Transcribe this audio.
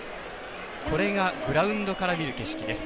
これが、グラウンドから見る景色です。